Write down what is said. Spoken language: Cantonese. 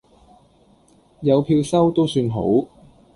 有票收都算好